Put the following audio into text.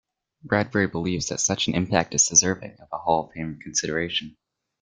Bradbury believes that such an impact is deserving of Hall of Fame consideration.